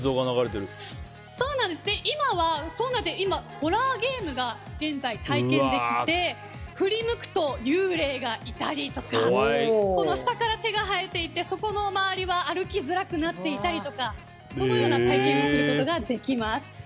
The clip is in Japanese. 今はホラーゲームが現在、体験できて振り向くと幽霊がいたりとか下から手が生えていてそこの周りは歩きづらくなっていたりとかそのような体験をすることができます。